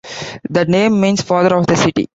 The name means "father of the city".